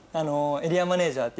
エリアマネジャーって。